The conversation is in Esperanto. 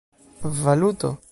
valuto